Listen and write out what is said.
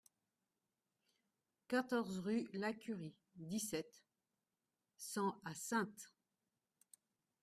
quatorze rue Lacurie, dix-sept, cent à Saintes